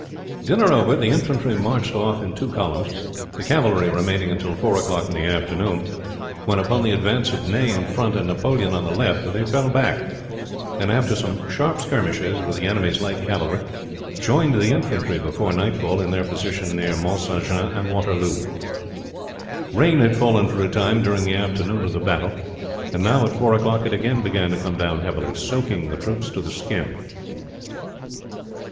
Dinner over the infantry marched off in two columns, the cavalry remaining until four o'clock in the afternoon, when upon the advance of Ney in front and Napoleon on the left they fell back, and after some sharp skirmishes with the enemy's light cavalry joined the infantry before nightfall in their position near Mount St. Jean and Waterloo. Rain had fallen for a time during the afternoon of the battle, and now at four o'clock it again began to come down heavily, soaking the troops to the skin.